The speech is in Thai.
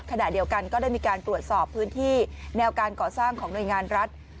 ขณะเดียวกันก็ได้มีการตรวจสอบพื้นที่แนวการก่อสร้างของหน่วยงานรัฐ